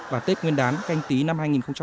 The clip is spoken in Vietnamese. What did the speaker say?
và tết nguyên đán canh tí năm hai nghìn hai mươi